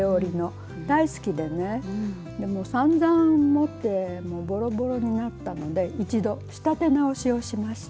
大好きでねさんざん持ってボロボロになったので一度仕立て直しをしました。